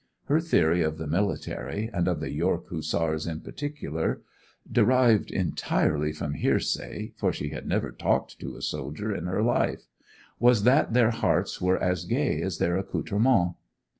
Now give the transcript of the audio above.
Her theory of the military, and of the York Hussars in particular (derived entirely from hearsay, for she had never talked to a soldier in her life), was that their hearts were as gay as their accoutrements.